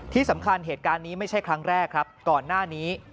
ที่สำคัญเหตุการณ์นี้ไม่ใช่ครั้งแรกครับก่อนหน้านี้